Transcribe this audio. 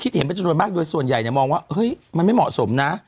เห็นเป็นจำนวนมากโดยส่วนใหญ่เนี่ยมองว่าเฮ้ยมันไม่เหมาะสมนะ